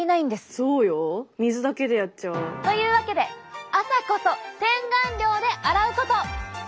そうよ水だけでやっちゃう。というわけで「朝こそ洗顔料であらうこと！」。